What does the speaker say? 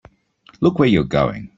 Look where you're going!